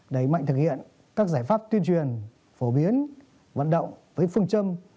đẩy mạnh thực hiện các giải pháp tuyên truyền phổ biến vận động với phương châm